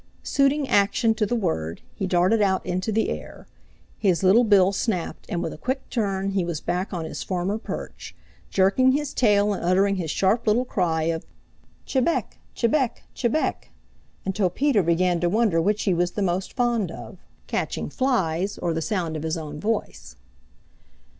Suiting action to the word, he darted out into the air. His little bill snapped and with a quick turn he was back on his former perch, jerking his tail and uttering his sharp little cry of, "Chebec! Chebec! Chebec!" until Peter began to wonder which he was the most fond of, catching flies, or the sound of his own voice.